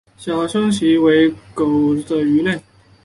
小胸鳍蛇鲻为狗母鱼科蛇鲻属的鱼类。